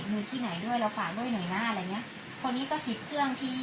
มีที่ไหนด้วยเราฝากด้วยหน่อยนะอะไรอย่างเงี้ยคนนี้ก็สิบเครื่องที